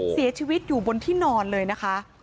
เสียชีวิตอยู่บนที่นอนเลยนะคะ